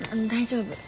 大丈夫？